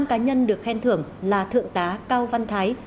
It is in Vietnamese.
năm cá nhân được khen thưởng là thượng tá cao văn thái